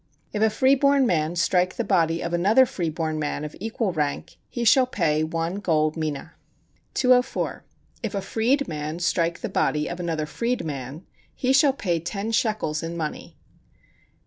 If a free born man strike the body of another free born man of equal rank, he shall pay one gold mina. 204. If a freed man strike the body of another freed man, he shall pay ten shekels in money.